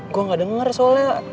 gue gak denger soalnya